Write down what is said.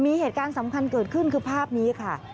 มีเหตุการณ์สำคัญเกิดขึ้นคือภาพนี้ค่ะ